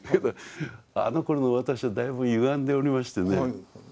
あのころの私はだいぶゆがんでおりましてね